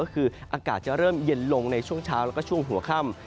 ก็คืออากาศจะเริ่มเย็นลงในช่วงเช้าแล้วก็ช่วงหัวค่ำ